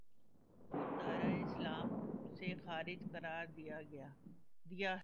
اور دائرۂ اسلام سے خارج قرار دیا ہے